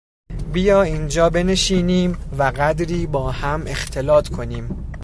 بیا اینجا بنشینیم و قدری با هم اختلاط کنیم.